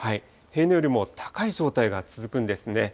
平年よりも高い状態が続くんですね。